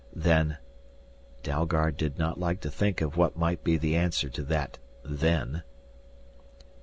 "Then " Dalgard did not like to think of what might be the answer to that "then."